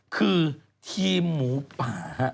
คือทีมหมูปะ